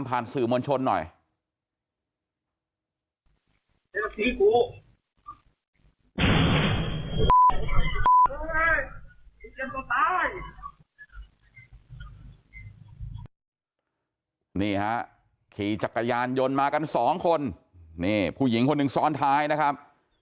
นี่ฮะขี่จักรยานยนต์มากันสองคนนี่ผู้หญิงคนหนึ่งซ้อนท้ายนะครับ